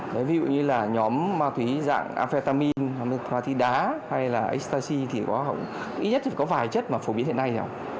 đấy ví dụ như là nhóm ma túy dạng amphetamine amethoatida hay là ecstasy thì có hầu ít nhất thì có vài chất mà phổ biến hiện nay rồi